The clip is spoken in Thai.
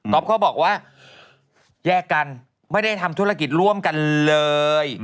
เขาบอกว่าแยกกันไม่ได้ทำธุรกิจร่วมกันเลย